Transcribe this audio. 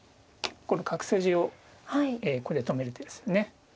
この角筋をここで止める手ですね。